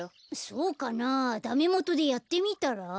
そうかなあダメもとでやってみたら？